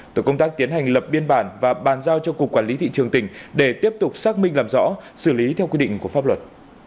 tổ công tác tiến hành lập biên bản và bàn giao cho cục quản lý thị trường tỉnh để tiếp tục xác minh làm rõ xử lý theo quy định của pháp luật